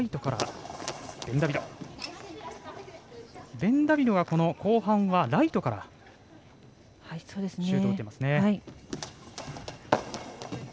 ベンダビドがこの後半はライトからシュートを打っていますね。